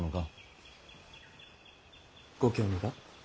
ご興味が？